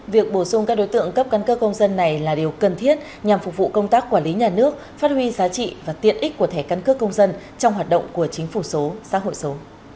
việc bổ sung các đối tượng cấp căn cước công dân này là điều cần thiết nhằm phục vụ công tác quản lý nhà nước phát huy giá trị và tiện ích của thẻ căn cước công dân trong hoạt động của chính phủ số xã hội số